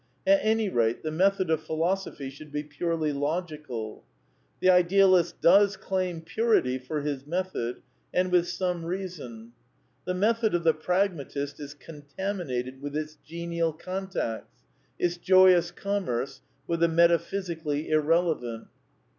At any rate, the method of Philosophy should be purely logi cal. The idealist does claim purity for his method ; and with some reason. The method of the pragmatist is con taminated with its genial contacts, its joyous oommerce with the metaphysically irrelevant.